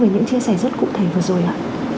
với những chia sẻ rất cụ thể vừa rồi ạ